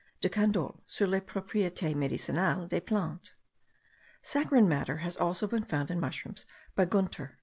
(De Candolle, sur les Proprietes medicinales des Plantes.) Saccharine matter has also been found in mushrooms by Gunther.